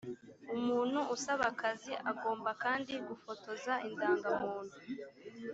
umuntu usaba akazi agomba kandi gufotoza indangamuntu.